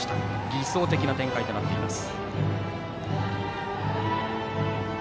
理想的な展開となっています。